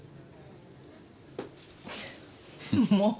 もう！